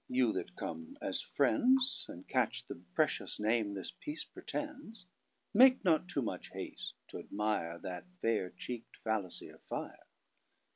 you that come as freindsAnd catch the pretious name this peice pretends; Make not too much hast to' admireThat fair cheek't fallacy of fire.